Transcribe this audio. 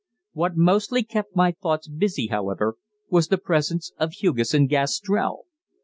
What mostly kept my thoughts busy, however, was the presence of Hugesson Gastrell.